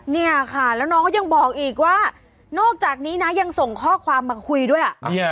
เนี่ยค่ะแล้วน้องก็ยังบอกอีกว่านอกจากนี้นะยังส่งข้อความมาคุยด้วย